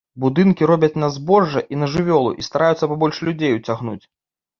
Будынкі робяць на збожжа і на жывёлу і стараюцца пабольш людзей уцягнуць.